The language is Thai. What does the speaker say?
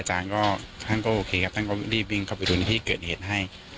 ท่านก็โอเคครับท่านก็รีบวิ่งเข้าไปดูในที่เกิดเหตุให้